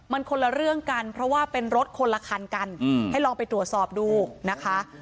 มันคนละเรื่องกันเพราะว่าเป็นรถคนละคันกันให้ลองไปตรวจสอบดูนะคะ